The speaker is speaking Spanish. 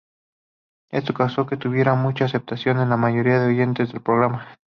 Esto causó que tuviera mucha aceptación en la mayoría de oyentes del programa.